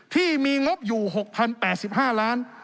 ที่มีงบอยู่๖๐๘๕ล้าน